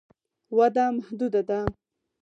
وده محدوده ده.